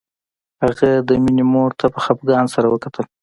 هغه د مينې مور ته په خپګان سره وکتل